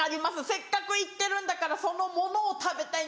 せっかく行ってるんだからそのものを食べたいんです。